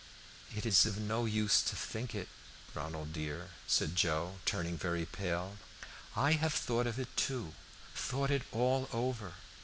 "It is of no use to think it, Ronald dear," said Joe, turning very pale. "I have thought of it too thought it all over.